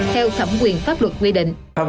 theo thẩm quyền pháp luật quy định